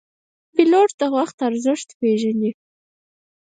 پیلوټ د وخت ارزښت پېژني.